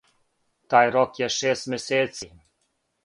Тај рок је шест месеци.